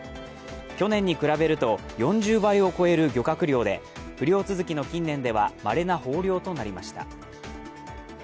去年に比べると４０倍を超える漁獲量で不漁続きの近年ではまれな豊漁となりました。